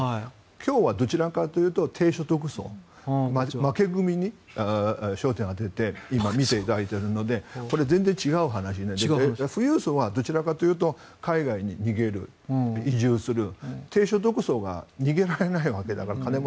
今日はどちらかというと低所得層、負け組みに焦点を当てて見ていただいているので全然違う話で富裕層はどちらかというと海外に逃げる、移住する低所得層は金もないので逃げられないわけだから。